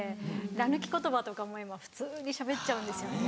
ら抜き言葉とかも今普通にしゃべっちゃうんですよね。